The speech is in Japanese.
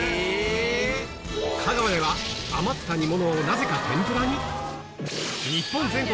香川では余った煮物をなぜか天ぷらに！？